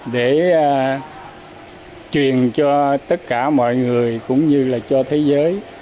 để truyền cho tất cả mọi người cũng như là cho thế giới